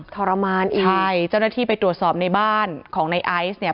ทรมานอีกใช่เจ้าหน้าที่ไปตรวจสอบในบ้านของในไอซ์เนี่ย